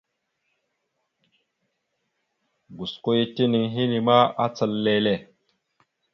Gosko ya tinaŋ henne ma acal lele.